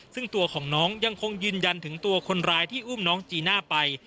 ซึ่งตัวของน้องยังคงยืนยันถึงตัวคนร้ายที่อุ้มน้องจีน่าไป